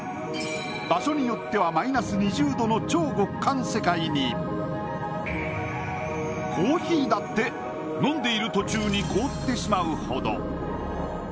場所によってはマイナス２０度の超極寒世界にコーヒーだって飲んでいる途中に凍ってしまうほど。